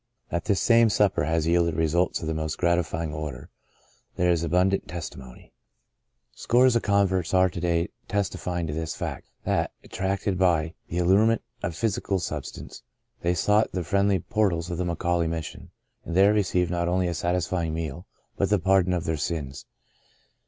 That this same supper has yielded results of the most gratifying order, there is abundant testi 54 The Breaking of the Bread 55 mony. Scores of converts are to day testi fying to this fact — that, attracted by the al lurement of physical substance, they sought the friendly portals of the McAuley Mission, and there received not only a satisfying meal, but the pardon of their sins.